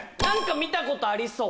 見たことありそう。